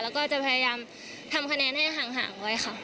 แล้วก็จะพยายามทำคะแนนให้ห่างไว้ค่ะ